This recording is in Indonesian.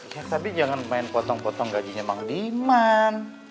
ya tapi jangan main potong potong gajinya mang diman